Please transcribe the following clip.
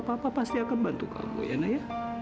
papa pasti akan bantu kamu ya naya